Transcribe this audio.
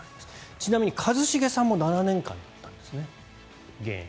ちなみに一茂さんも７年間だったんですね、現役。